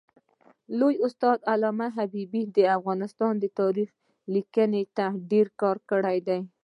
لوی استاد علامه حبیبي د افغانستان تاریخ لیکني ته ډېر کار کړی دی.